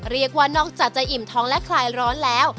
เรียกว่านอกจากจะอิ่มท้องและคลายร้อนแล้ว